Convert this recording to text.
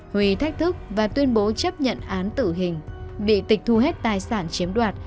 huy thách thức và tuyên bố chấp nhận án tử hình bị tịch thu hết tài sản chiếm đoạt